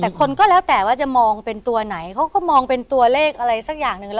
แต่คนก็แล้วแต่ว่าจะมองเป็นตัวไหนเขาก็มองเป็นตัวเลขอะไรสักอย่างหนึ่ง